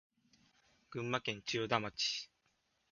群馬県千代田町